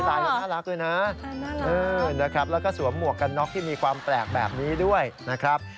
น่ารักด้วยนะนะครับแล้วก็สวมหมวกกันน็อกที่มีความแปลกแบบนี้ด้วยนะครับ